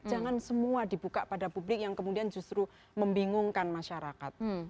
jangan semua dibuka pada publik yang kemudian justru membingungkan masyarakat